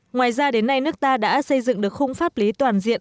ngoài ra đến nay nước ta đã xây dựng được khung pháp lý toàn diện